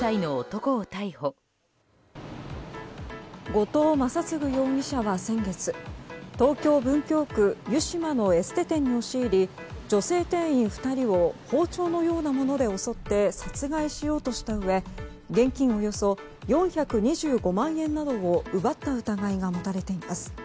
後藤仁乙容疑者は先月東京・文京区湯島のエステ店に押し入り女性店員２人を包丁のようなもので襲って殺害しようとしたうえ現金およそ４２５万円などを奪った疑いが持たれています。